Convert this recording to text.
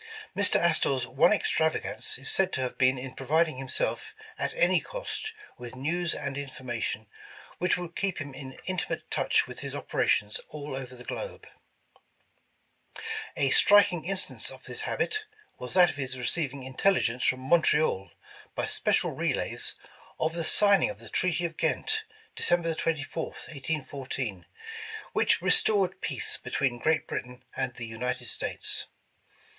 Mr. Astor's one extravegance is said to have been in providing himself, at any cost, with news and in formation which would keep him in intimate touch with his operations all over the globe. A striking instance of this habit, was that of his receiving intelligence from Montreal, by special relays, of the signing of the Treaty of Ghent, December 24th, 1814, which restored peace between Great Britain and the United States.